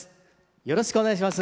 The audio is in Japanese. よろしくお願いします。